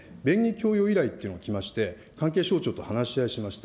供与依頼というのが来まして、関係省庁と話し合いをしました。